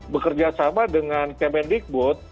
bekerjasama dengan kmn bigboot